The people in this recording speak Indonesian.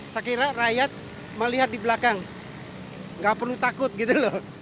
saya kira rakyat melihat di belakang nggak perlu takut gitu loh